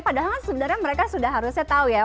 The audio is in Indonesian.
padahal sebenarnya mereka sudah harusnya tahu ya